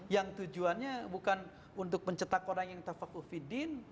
yang tujuannya bukan untuk mencetak orang yang taufaq ufiddin